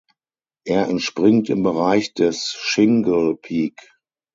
Er entspringt im Bereich des "Shingle Peak".